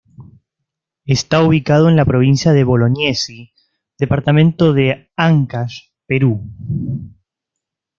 Está ubicado en la provincia de Bolognesi, departamento de Áncash, Perú.